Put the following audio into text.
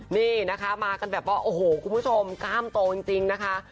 นี่นะคะมากันแบบว่าโอ้โหคุณผู้ชมกล้ามโตจริงนะคะ